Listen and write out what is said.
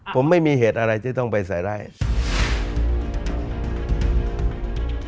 ผมไม่มีเหตุอะไรที่ต้องไปใส่ได้